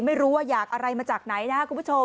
ไม่รู้ว่าอยากอะไรมาจากไหนนะครับคุณผู้ชม